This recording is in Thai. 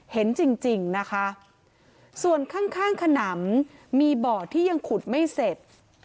เห็นจริงนะคะส่วนข้างข้างขนำมีบ่อที่ยังขุดไม่เสร็จ